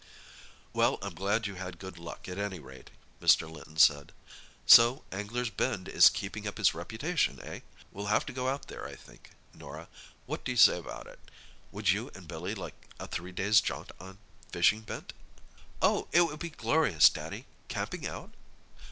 "Well, I'm glad you had good luck, at any rate," Mr. Linton said. "So Anglers' Bend is keeping up its reputation, eh? We'll have to go out there, I think, Norah; what do you say about it? Would you and Billy like a three days' jaunt on fishing bent?" "Oh, it would be glorious, Daddy! Camping out?"